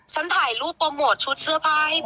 ฉันถ่ายรูปโปรโมทชุดเสื้อผ้าให้เพื่อนอยู่นะ